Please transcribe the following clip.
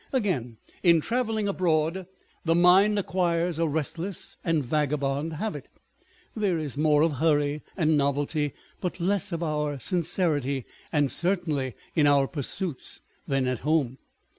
Again, in travelling abroad, the mind acquires a restless and vagabond habit. There is more of hurry and novelty, but less of sincerity and certainty in our pursuits than at home.